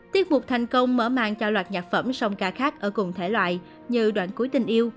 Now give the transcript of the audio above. tiết mục thành công mở màn cho loạt nhạc phẩm song ca khác ở cùng thể loại như đoạn cúi tình yêu